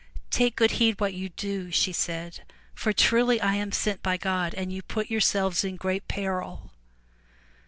"Take good heed what you do/* she said, '*for truly I am sent by God and you put yourselves in great peril.